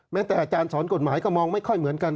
แต่อาจารย์สอนกฎหมายก็มองไม่ค่อยเหมือนกัน